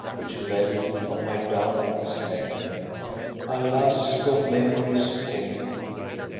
Which fell on my darling's hair. Alas, for memory's pain